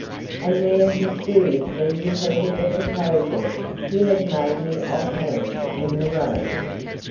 And there he seriously repeated the proposal he had made me off hand in the road.